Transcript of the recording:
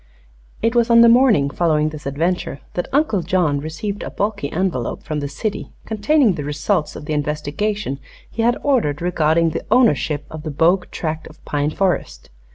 It was on the morning following this adventure that Uncle John received a bulky envelope from the city containing the result of the investigation he had ordered regarding the ownership of the Bogue tract of pine forest.